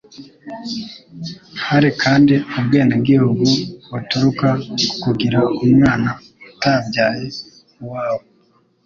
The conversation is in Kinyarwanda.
Hari kandi ubwenegihugu buturuka k'ukugira umwana utabyaye uwawe